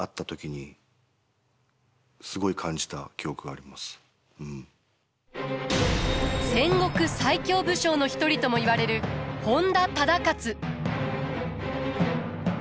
いや本当にね戦国最強武将の一人ともいわれる本多忠勝。